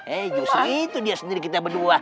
eh justru itu dia sendiri kita berdua